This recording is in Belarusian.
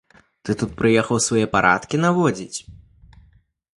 Ты тут прыехаў свае парадкі наводзіць?